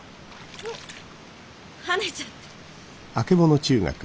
うっ跳ねちゃった。